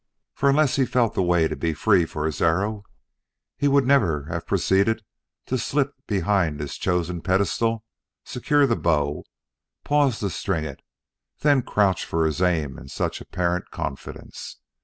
For unless he felt the way to be free for his arrow, he would never have proceeded to slip behind his chosen pedestal, secure the bow, pause to string it, then crouch for his aim in such apparent confidence.